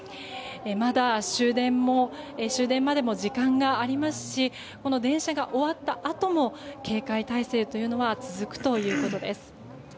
まだ終電までも時間がありますし電車が終わったあとも警戒態勢というのは続くということです。